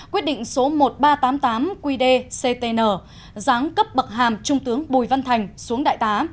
quyết định số một nghìn ba trăm tám mươi tám qd ctn giáng cấp bậc hàm trung tướng bùi văn thành xuống đại tá